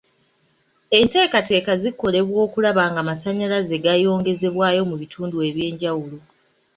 Enteekateeka zikolebwa okulaba ng'amasannyalaze gayongezebwayo mu bitundu eby'enjawulo.